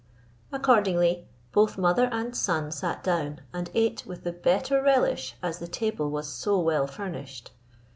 Accordingly both mother and son sat down, and ate with the better relish as the table was so well furnished.